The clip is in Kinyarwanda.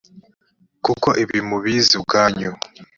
kuko ibi mubizi ubwanyu